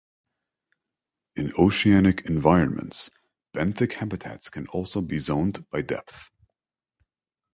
In oceanic environments, benthic habitats can also be zoned by depth.